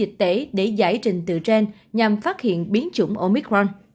y tế để giải trình từ trên nhằm phát hiện biến chủng omicron